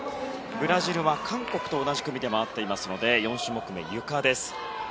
ブラジルは韓国と同じ組で回っていますので４種目めは、ゆかです。